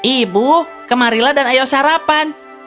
ibu kemarilah dan ayo sarapan